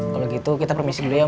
kalau gitu kita permisi dulu ya